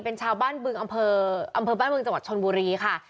เป็นชาวบ้านบึงอำเภอบ้านบึงจังหวัดชนบุรีค่ะ